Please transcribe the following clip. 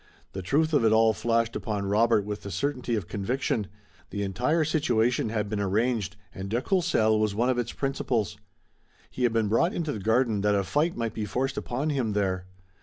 The truth of it all flashed upon Robert with the certainty of conviction. The entire situation had been arranged and de Courcelles was one of its principals. He had been brought into the garden that a fight might be forced upon him there.